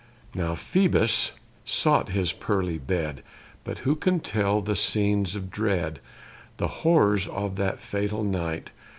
Now Phoebus sought his pearly bed: But who can tell the scenes of dread, The horrors of that fatal night!